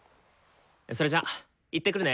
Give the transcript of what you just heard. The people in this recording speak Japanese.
それじゃ行ってくるね。